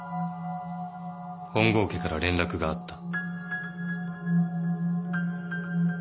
本郷家から連絡があった。